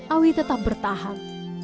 awi tetap bertahan